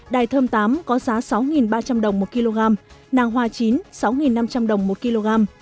đài thơm tám có giá sáu ba trăm linh đồng một kg nàng hoa chín sáu năm trăm linh đồng một kg